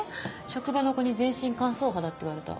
職場の子に全身乾燥肌って言われた。